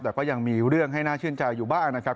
แต่ก็ยังมีเรื่องให้น่าชื่นใจอยู่บ้างนะครับ